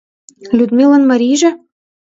Людмилан марийже?!